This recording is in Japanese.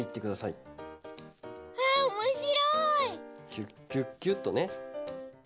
キュッキュッキュッとね。